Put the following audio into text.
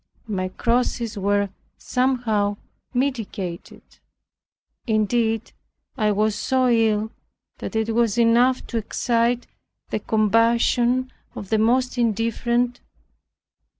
My crosses were somewhat mitigated. Indeed, I was so ill that it was enough to excite the compassion of the most indifferent.